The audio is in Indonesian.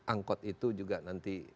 angkut itu juga nanti